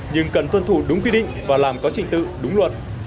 nhưng cần tuân thủ đúng quy định và làm có trình tự đúng luật